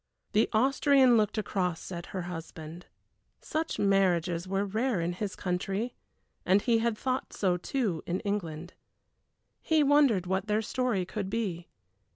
The Austrian looked across at her husband. Such marriages were rare in his country, and he had thought so too in England. He wondered what their story could be.